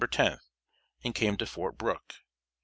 10), and came to Fort Brooke.